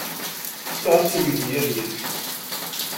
Fkiɣ-as i uydi ad yečč.